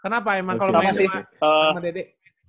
kenapa emang kalo main sama dede